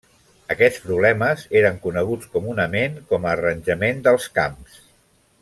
Aquests problemes eren coneguts comunament com a Arranjament dels Camps.